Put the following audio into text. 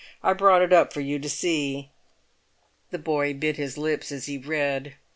I brought it up for you to see." The boy bit his lips as he read.